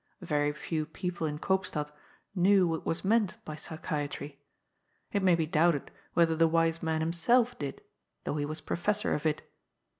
Very few people in Koopstad knew what was meant by psychiatry ; it may be doubted whether the wise man himself did, though he was professor of it.